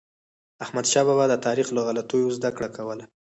احمدشاه بابا به د تاریخ له غلطیو زدهکړه کوله.